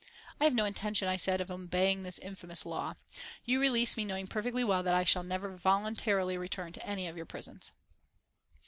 "I have no intention," I said, "of obeying this infamous law. You release me knowing perfectly well that I shall never voluntarily return to any of your prisons."